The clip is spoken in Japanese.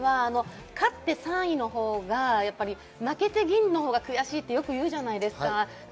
勝って３位のほうが負けて銀のほうが悔しいって言うじゃないですか。